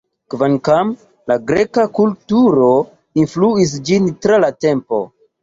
Kvankam la greka kulturo influis ĝin tra la tempo.